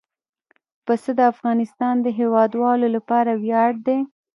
پسه د افغانستان د هیوادوالو لپاره ویاړ دی.